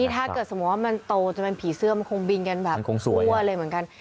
ถ้าเกิดสมมุติว่ามันโตจนเป็นผีเสื้อมันคงบินกันแบบทั่วเลยเหมือนกัน